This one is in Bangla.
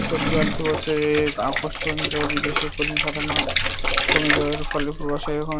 চলতি অর্থবছরের আগস্ট পর্যন্ত বিদেশে কর্মী পাঠানো কমে যাওয়ার ফলে প্রবাসী-আয়ও কমেছে।